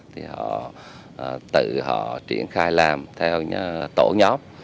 thì họ tự họ triển khai làm theo những tổ nhóm